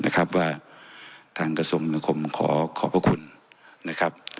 เพราะว่าทางขสมมนุษย์บริกษ์ขอขอบคุณนะครับ